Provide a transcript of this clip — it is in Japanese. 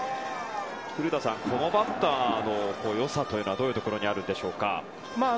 古田さん、このバッターの良さはどういうところにあるでしょうか。